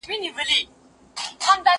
زه اوږده وخت د ښوونځي کتابونه مطالعه کوم؟!